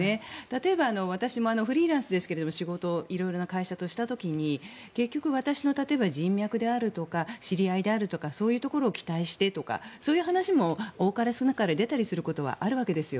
例えば私もフリーランスですが仕事を色々な会社とした時に結局、例えば私の人脈であるとか知り合いであるとかそういうところを期待してとかそういう話も多かれ少なかれ出たりすることもあるわけです。